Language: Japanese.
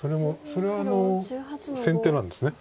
それは先手なんです。